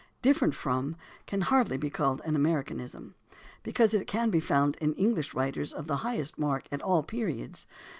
"Different from" can hardly be called an American ism, because it can be found in English writers of the highest mark at all periods.